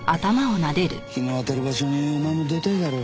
日の当たる場所にお前も出たいだろう。